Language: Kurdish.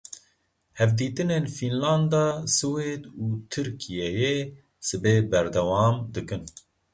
Hevdîtinên Fînlanda, Swêd û Tirkiyeyê sibê berdewam dikin.